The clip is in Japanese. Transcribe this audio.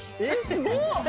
すごっ。